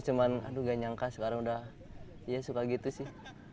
cuma gak nyangka sekarang udah suka gitu sih